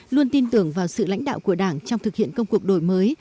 luôn tin tưởng vào sự lãnh đạo của đảng trong thực hiện công cuộc đổi mới